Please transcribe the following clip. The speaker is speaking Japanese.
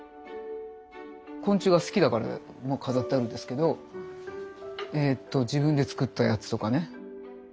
昆虫が好きだから飾ってあるんですけど自分で作ったやつとかね。